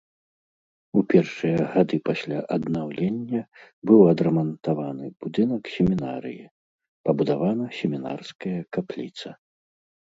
У першыя гады пасля аднаўлення быў адрамантаваны будынак семінарыі, пабудавана семінарская капліца.